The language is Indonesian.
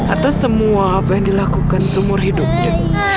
atas semua apa yang dilakukan seumur hidupnya